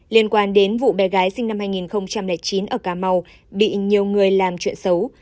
liên quan đến vụ bé gái sinh năm hai nghìn chín ở cà mau bị nhiều người làm chuyện xấu